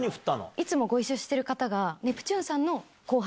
いつもご一緒してる方が、ネプチューンさんの後輩。